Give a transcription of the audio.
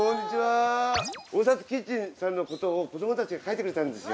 ・「オウサツキッチン」さんのことを子どもたちが描いてくれたんですよ。